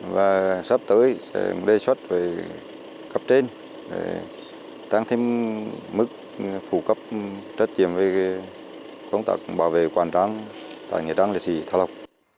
và sắp tới sẽ đề xuất về cấp trên để tăng thêm mức phụ cấp trách nhiệm về công tác bảo vệ hoàn trang tại nghệ trang liệt sĩ thảo lộc